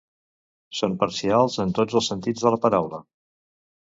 Són parcials en tots els sentits de la paraula